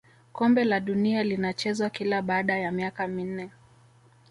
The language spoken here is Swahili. kombe la dunia linachezwa kila baada ya miaka minne